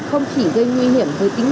không chỉ gây nguy hiểm với tính